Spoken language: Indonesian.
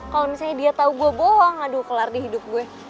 kalau misalnya dia tahu gue bohong aduh kelar di hidup gue